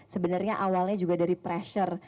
sebenarnya awalnya juga dari pressure